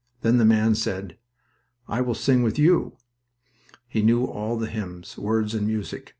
Then the man said, "I will sing with you." He knew all the hymns, words and music.